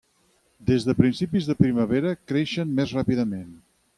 Des de principis de primavera creixen més ràpidament.